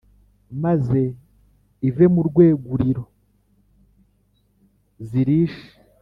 maze ive mu rwêguriro zirishe.